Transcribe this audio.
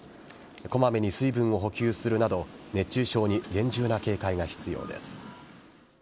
こまめに水分を補給するなど熱中症に厳重な警戒が必要です。